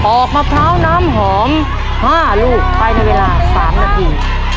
มะพร้าวน้ำหอม๕ลูกภายในเวลา๓นาที